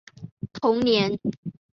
同年结识德国姑娘叶华。